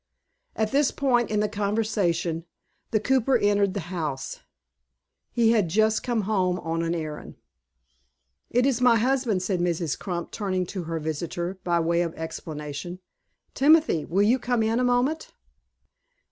At this point in the conversation, the cooper entered the house. He had just come home on an errand. "It is my husband," said Mrs. Crump, turning to her visitor, by way of explanation. "Timothy, will you come in a moment?"